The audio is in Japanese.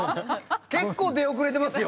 結構出遅れてますよ。